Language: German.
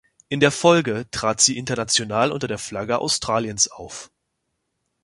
In der Folge trat sie international unter der Flagge Australiens auf.